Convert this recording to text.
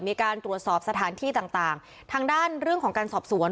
มีการตรวจสอบสถานที่ต่างต่างทางด้านเรื่องของการสอบสวน